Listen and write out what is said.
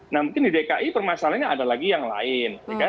nah mungkin di dki permasalahannya ada lagi yang lain